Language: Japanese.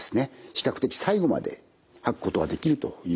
比較的最後まで吐くことができるというふうなことになります。